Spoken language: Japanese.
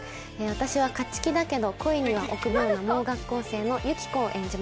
私は勝ち気だけど恋には臆病な盲学校生のユキコを演じます。